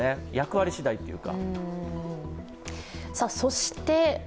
役割次第というか。